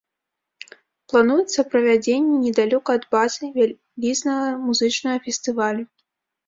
Плануецца правядзенне недалёка ад базы вялізнага музычнага фестывалю.